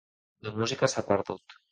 La música s'ha perdut.